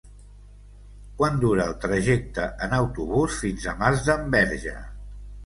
Quant dura el trajecte en autobús fins a Masdenverge?